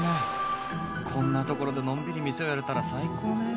こんな所でのんびり店をやれたら最高ねえ。